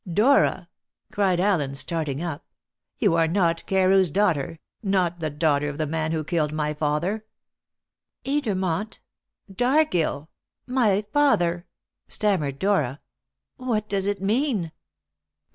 '" "Dora!" cried Allen, starting up, "you are not Carew's daughter not the daughter of the man who killed my father!" "Edermont Dargill my father!" stammered Dora. "What does it mean?"